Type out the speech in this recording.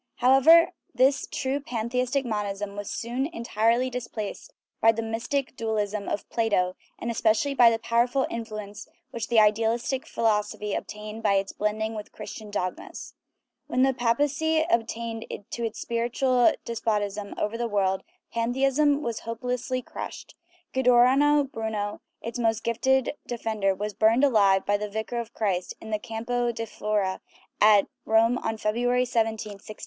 However, this true pantheistic monism was soon entirely displaced by the mystic dualism of Plato, and especially by the powerful influ ence which the idealistic philosophy obtained by its blending with Christian dogmas. When the papacy attained to its spiritual despotism over the world, pan theism was hopelessly crushed; Giordano Bruno, its most gifted defender, was burned alive by the " Vicar of Christ" in the Campo dei Fiori at Rome on Feb ruary 17, 1600.